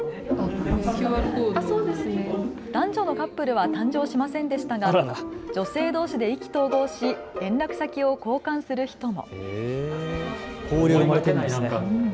男女のカップルは誕生しませんでしたが女性どうしで意気投合し連絡先を交換する人も。